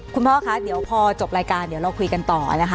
คุณพ่อคะเดี๋ยวพอจบรายการเดี๋ยวเราคุยกันต่อนะคะ